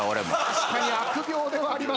確かに悪行ではありますが。